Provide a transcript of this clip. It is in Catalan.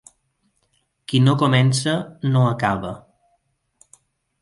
Qui no comença, no acaba.